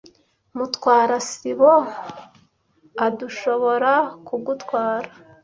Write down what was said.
Mutwara sibo ardushoborakugutwara.